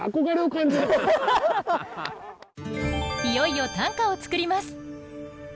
いよいよ短歌を作ります。